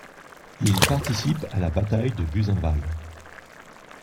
Il participe à la bataille de Buzenval.